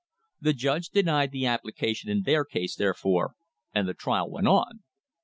The judge denied the application in their case, therefore, and the trial went on.